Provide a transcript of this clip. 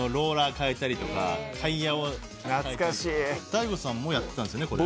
ＤＡＩＧＯさんもやってたんですよねこれ。